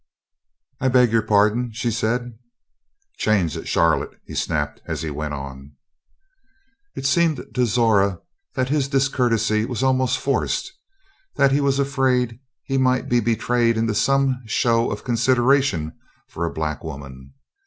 "I beg your pardon?" she said. "Change at Charlotte," he snapped as he went on. It seemed to Zora that his discourtesy was almost forced: that he was afraid he might be betrayed into some show of consideration for a black woman.